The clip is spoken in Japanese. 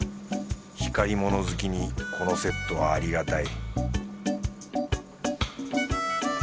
ひかり物好きにこのセットはありがたい